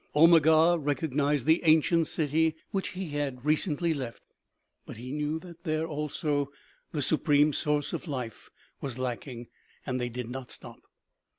Omegar recognized the ancient city which he had OMEGA. 263 recently left, but he knew that there, also the supreme source of life was lacking, and they did not stop.